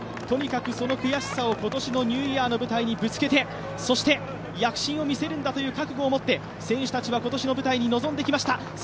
とにかくその悔しさを今年のニューイヤーの舞台にぶつけて、躍進を見せるんだという覚悟を持って選手たちは今年の舞台に臨んできました。